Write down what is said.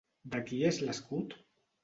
De qui és l'escut?